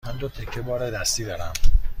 من دو تکه بار دستی دارم.